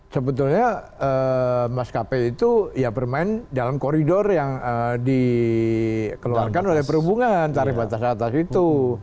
sebetulnya maskapai itu ya bermain dalam koridor yang dikeluarkan oleh perhubungan tarif batas atas itu